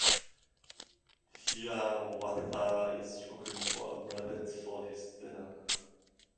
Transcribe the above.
Hiawatha is looking for a rabbit for his dinner.